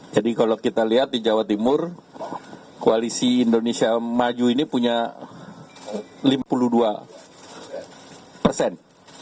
jadi kalau kita lihat di jawa timur koalisi indonesia maju ini punya lima puluh dua persen